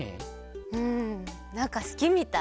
うんなんかすきみたい！